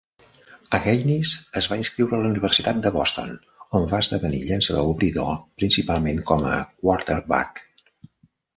Aggainis es va inscriure a la Universitat de Boston, on va esdevenir llançador obridor, principalment com a quarterback.